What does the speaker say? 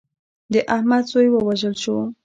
د احمد زوی ووژل شو.